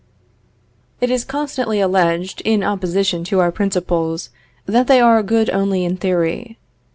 It is constantly alleged in opposition to our principles, that they are good only in theory.